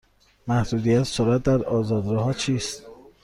محدودیت سرعت در آزاد راه ها چیست؟